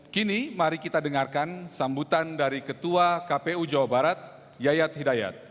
kini mari kita dengarkan sambutan dari ketua kpu jawa barat yayat hidayat